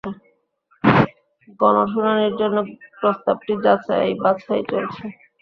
গণশুনানির জন্য প্রস্তাবটি যাচাই বাছাই চলছে।